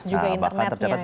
terus juga internetnya ya